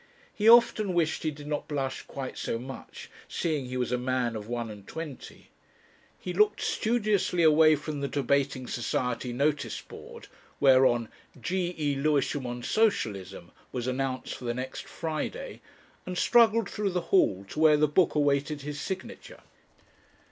He often wished he did not blush quite so much, seeing he was a man of one and twenty. He looked studiously away from the Debating Society notice board, whereon "G.E. Lewisham on Socialism" was announced for the next Friday, and struggled through the hall to where the Book awaited his signature.